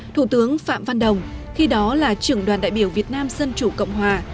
thủ tướng phạm văn đồng khi đó là trưởng đoàn đại biểu việt nam dân chủ cộng hòa